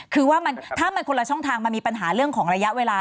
คือว่าถ้ามันคนละช่องทางมันมีปัญหาเรื่องของระยะเวลา